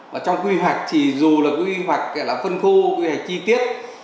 và trong quy hoạch thì dù là quy hoạch phân khu quy hoạch chi tiết